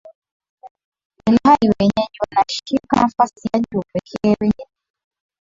ilhali wenyeji wanashika nafasi ya juu pekee wengine